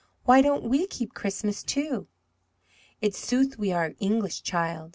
Why don't we keep Christmas, too?" "In sooth we are English, child.